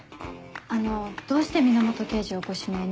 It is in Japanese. あのどうして源刑事をご指名に？